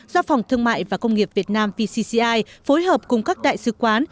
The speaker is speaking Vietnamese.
do phòng thương mại và công nghiệp việt nam vcci phối hợp cùng các đại sứ quán